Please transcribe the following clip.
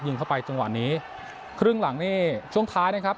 เข้าไปจังหวะนี้ครึ่งหลังนี่ช่วงท้ายนะครับ